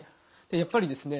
やっぱりですね